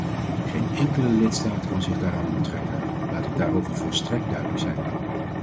Geen enkele lidstaat kan zich daaraan onttrekken - laat ik daarover volstrekt duidelijk zijn!